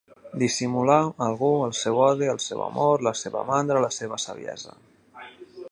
Dissimular, algú, el seu odi, el seu amor, la seva mandra, la seva saviesa.